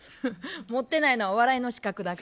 持ってないのは笑いの資格だけ。